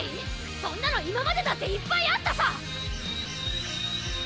そんなの今までだっていっぱいあったさ！